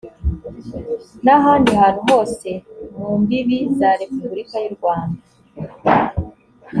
n’ahandi hantu hose mu mbibi za repubulika y’u rwanda